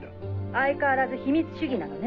相変わらず秘密主義なのね。